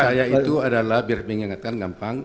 saya itu adalah biar mengingatkan gampang